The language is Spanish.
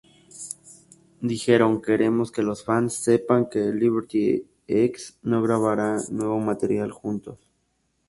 Dijeron: "Queremos que los fans sepan que Liberty X no grabará nuevo material juntos".